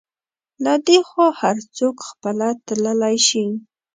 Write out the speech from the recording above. له دې خوا هر څوک خپله تللی شي.